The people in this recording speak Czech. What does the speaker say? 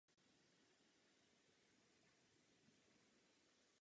Fotografie je pořízena po jedné minutě svícení.